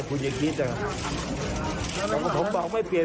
ไม่รู้มันจะเลือกเมื่อไหร่ครับคุณบอกไหมที่